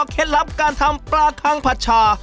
เคล็ดลับการทำปลาข้างผัดชา